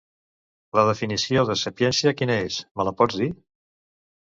La definició de sapiència quina és, me la pots dir?